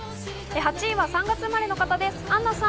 ８位は３月生まれの方です、アンナさん。